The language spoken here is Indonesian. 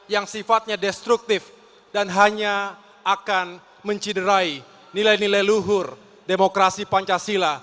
yang sifatnya destruktif dan hanya akan menciderai nilai nilai luhur demokrasi pancasila